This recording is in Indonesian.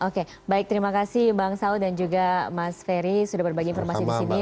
oke baik terima kasih bang saud dan juga mas ferry sudah berbagi informasi di sini